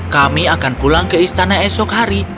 kami akan pulang ke istana esok hari